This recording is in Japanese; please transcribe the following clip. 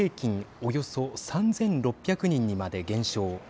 およそ３６００人にまで減少。